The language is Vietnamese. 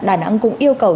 đà nẵng cũng yêu cầu